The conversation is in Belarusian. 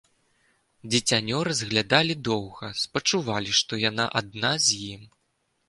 Дзіцянё разглядалі доўга, спачувалі, што яна адна з ім.